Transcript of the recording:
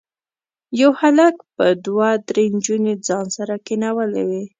یو هلک به دوه درې نجونې ځان سره کېنولي وي.